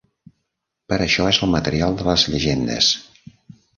Per això és el material de les llegendes.